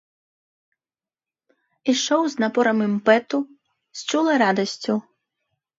Ішоў з напорам імпэту, з чулай радасцю.